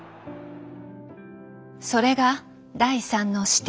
それが第３の視点。